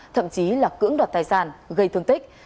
thậm chí là cưỡng đoạt tài sản gây thương tích